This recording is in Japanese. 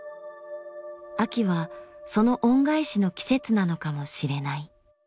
秋はその恩返しの季節なのかもしれない。